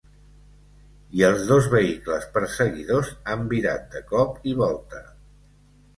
I els dos vehicles perseguidors han virat de cop i volta.